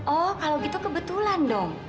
oh kalau gitu kebetulan dong